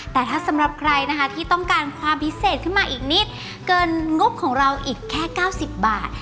แต่ถ้าสำหรับใครนะคะที่ต้องการความพิเศษขึ้นมาอีกนิดเกินงบของเราอีกแค่๙๐บาท